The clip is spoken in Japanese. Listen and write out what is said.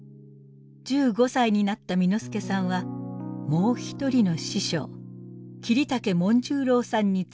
１５歳になった簑助さんはもう一人の師匠桐竹紋十郎さんにつきます。